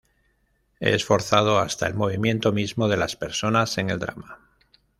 Es forzado, hasta el movimiento mismo de las personas, en el drama.